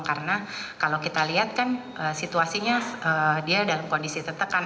karena kalau kita lihat kan situasinya dia dalam kondisi tertekan